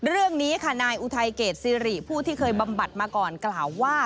เรื่องนี้ค่ะนายอุทัยเกรดซิริผู้ที่เคยบำบัดมาก่อนกล่าวว่า